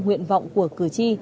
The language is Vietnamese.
nguyện vọng của cử tri